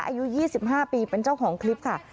อายุ๒๕ปีเป็นเจ้าของคลิปค่ะ